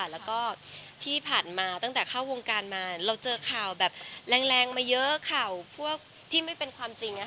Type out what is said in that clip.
แล้วก็ที่ผ่านมาตั้งแต่เข้าวงการมาเราเจอข่าวแบบแรงมาเยอะข่าวพวกที่ไม่เป็นความจริง